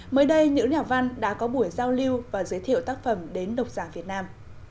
mới đây những nhà văn đã có buổi giao lưu và giới thiệu tác phẩm đến độc giả việt nam